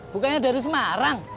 bukannya dari semarang